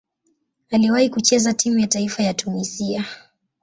Aliwahi kucheza timu ya taifa ya Tunisia.